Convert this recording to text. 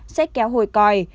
xếp kéo hồi coi